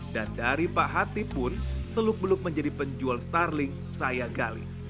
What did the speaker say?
dari pak hati pun seluk beluk menjadi penjual starling saya gali